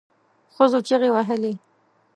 ښځو چیغې وهلې.